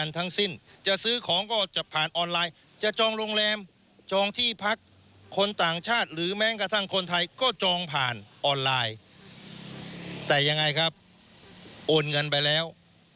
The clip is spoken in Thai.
แต่ยังไงครับโอนเงินไปแล้ว